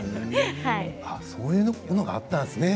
そういうものがあったんですね。